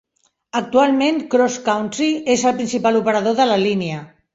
Actualment CrossCountry és el principal operador de la línia.